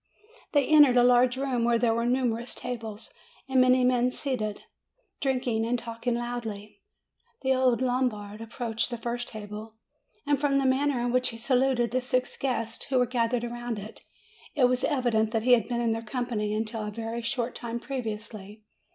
They entered a large room, where there were numer ous tables, and many men seated, drinking and talk ing loudly. The old Lombard approached the first table, and from the manner in which he saluted the six guests who were gathered around it, it was evident that he had been in their company until a short time previously.